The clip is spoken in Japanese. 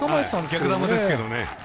逆球ですけどね。